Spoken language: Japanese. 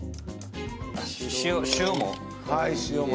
塩も？